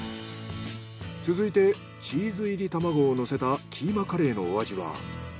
続いてチーズ入り玉子を乗せたキーマカレーのお味は？